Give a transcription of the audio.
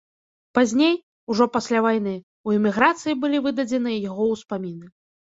Пазней, ужо пасля вайны, у эміграцыі былі выдадзеныя яго ўспаміны.